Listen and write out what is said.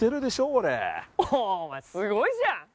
俺お前すごいじゃん！